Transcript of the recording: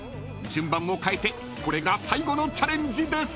［順番を変えてこれが最後のチャレンジです］